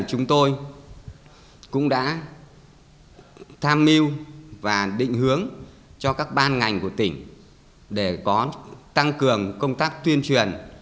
chúng tôi cũng đã tham mưu và định hướng cho các ban ngành của tỉnh để có tăng cường công tác tuyên truyền